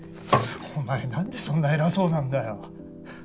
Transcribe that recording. お前なんでそんな偉そうなんだよ。